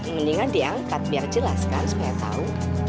mendingan diangkat biar jelas kan supaya tahu